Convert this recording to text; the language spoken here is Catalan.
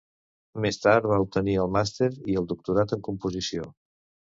Més tard va obtenir el màster i el doctorat en composició.